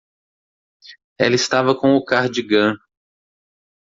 Ela estava com o cardigã.